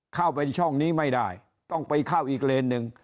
เข้าไปช่องนี้ไม่ได้ต้องไปเข้าอีกเลนหนึ่ง